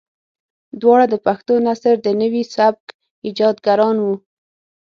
دواړه د پښتو نثر د نوي سبک ايجادګران وو.